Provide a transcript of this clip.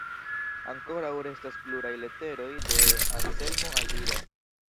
Ankoraŭ restas pluraj leteroj de Anselmo al Ida.